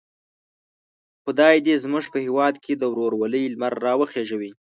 خدای دې زموږ په هیواد کې د ورورولۍ لمر را وخېژوي.